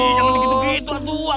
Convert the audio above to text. ih jangan begitu begitu tuan tuan